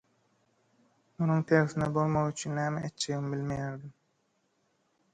Munuň tersine bolmagy üçin näme etjegimi bilmeýärdim.